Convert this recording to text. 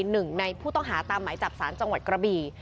หนึ่งในผู้ต้องหาตามหมายจับสารจังหวัดกระบี่